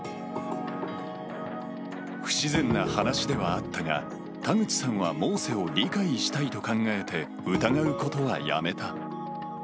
不自然な話ではあったが、田口さんはモーセを理解したいと考えて、疑うことはやめた。